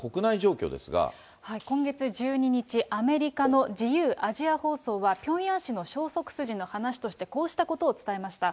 今月１２日、アメリカの自由アジア放送は、ピョンヤン市の消息筋の話としてこうしたことを伝えました。